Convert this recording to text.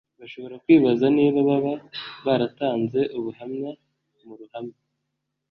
bashobora kwibaza niba baba baratanze ubuhamya mu ruhame